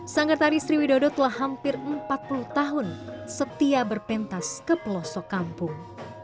sanggar tari sriwidodo telah hampir empat puluh tahun setia berpentas ke pelosok kampung